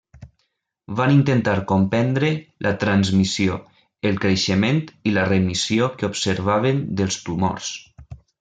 Van intentar comprendre la transmissió, el creixement i la remissió que observaven dels tumors.